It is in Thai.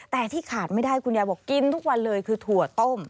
แต่ที่ขาดไม่ได้คุณยายบอกกินทุกวันเลยคือถั่วต้ม